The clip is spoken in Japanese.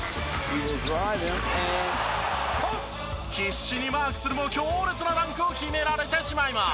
必死にマークするも強烈なダンクを決められてしまいます。